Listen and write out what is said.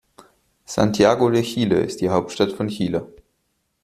Santiago de Chile ist die Hauptstadt von Chile.